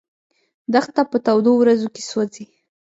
دښته په تودو ورځو کې سوځي.